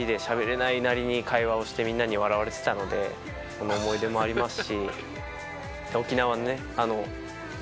その思い出もありますし。